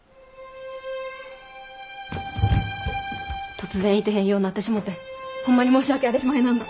突然いてへんようなってしもてほんまに申し訳あれしまへなんだ。